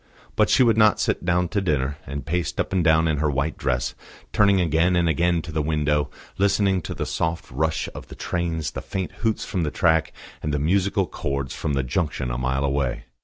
But she would not sit down to dinner, and paced up and down in her white dress, turning again and again to the window, listening to the soft rush of the trains, the faint hoots from the track, and the musical chords from the junction a mile away.